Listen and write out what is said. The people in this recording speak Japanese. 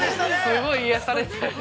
◆すごい癒やされた。